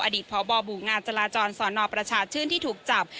อดีตพบหมู่งานจราจรสนประชาชื่นที่ถูกจับ